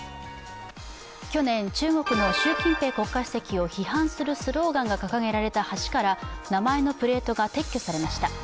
去年、中国の習近平国家主席を批判するスローガンが掲げられた橋から名前のプレートが撤去されました。